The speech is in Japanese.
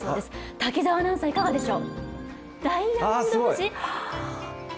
滝澤アナウンサーいかがでしょう？